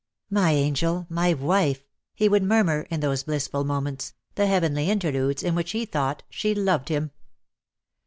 "My angel, my wife!" he would murmur in those blissful moments, the heavenly interludes in which he thought she loved him.